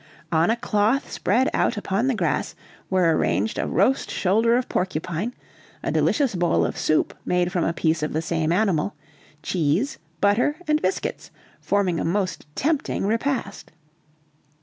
On a cloth spread out upon the grass were arranged a roast shoulder of porcupine, a delicious bowl of soup made from a piece of the same animal, cheese, butter, and biscuits, forming a most tempting repast.